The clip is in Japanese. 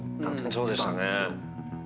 そうでしたね。